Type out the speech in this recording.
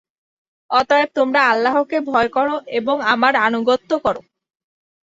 অতএব, তোমরা আল্লাহকে ভয় কর এবং আমার আনুগত্য কর।